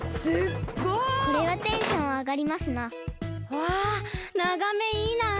わながめいいなあ！